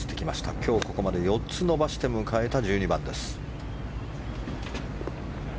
今日ここまで４つ伸ばして迎えた１２番です。